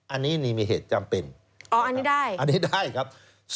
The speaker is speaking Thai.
อันนี้มีเหตุจำเป็นอันนี้ได้ครับ